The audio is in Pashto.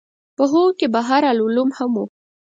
په هغو کې بحر العلوم هم و.